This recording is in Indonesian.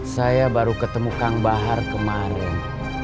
saya baru ketemu kang bahar kemarin